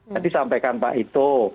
nanti sampaikan pak itu